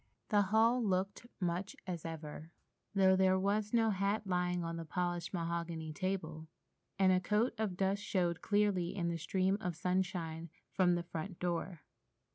The hall looked much as ever, though there was no hat lying on the polished mahogany table, and a coating of dust showed clearly in the stream of sunshine from the front door.